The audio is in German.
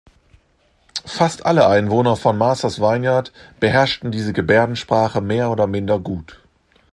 Fast alle Einwohner von Martha’s Vineyard beherrschten diese Gebärdensprache mehr oder minder gut.